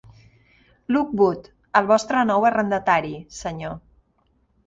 Lockwood, el vostre nou arrendatari, senyor.